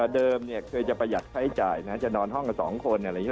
เดิมเคยจะประหยัดใช้จ่ายจะนอนห้องกับสองคน